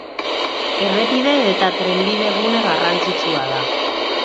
Errepide eta trenbide-gune garrantzitsua da.